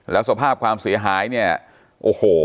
แล้วสภาพความเสียหายเนี่ยโอ้โห